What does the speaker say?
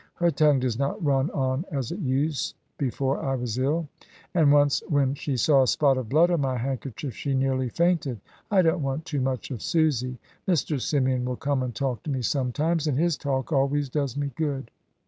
Her tongue does not run on as it used before I was ill; and once when she saw a spot of blood on my handkerchief she nearly fainted. I don't want too much of Susie. Mr. Symeon will come and talk to me sometimes; and his talk always does me good."